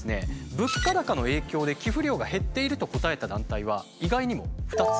物価高の影響で寄付量が減っていると答えた団体は意外にも２つ。